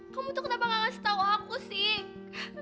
kamu tuh kenapa gak ngasih tau aku sih